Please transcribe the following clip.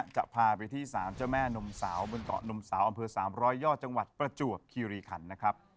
จะพาไปที่สามเจ้าแม่นมเสาเมืองต่อนมเสาอำเภอ๓๐๐ยจังหวัดประจวกคิริคันนะครับ